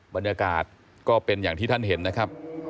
บรรยากาศก็เป็นอย่างที่ท่านเห็นนะครับ